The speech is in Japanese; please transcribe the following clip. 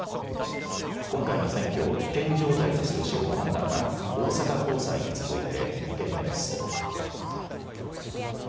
今回の選挙を違憲状態とする司法判断は、大阪高裁に続いて２件目です。